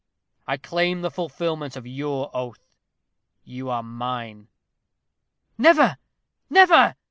I claim the fulfilment of your oath; you are mine." "Never, never!"